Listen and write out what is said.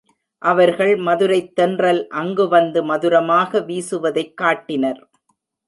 அவர்கள் மதுரைத் தென்றல் அங்குவந்து மதுரமாக வீசுவதைக் காட்டினர்.